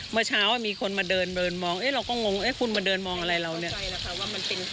เมื่อเช้ามีคนมาเดินมองเราก็งงเอ๊ะคุณมาเดินมองอะไรเราเนี่ย